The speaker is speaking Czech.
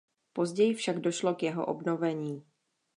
Později však došlo k jeho obnovení.